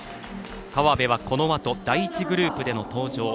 河辺はこのあと第１グループでの登場。